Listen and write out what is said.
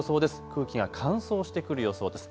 空気が乾燥してくる予想です。